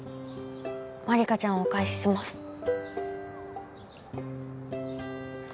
万理華ちゃんをお返しします